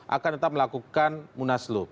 akan tetap melakukan munasulup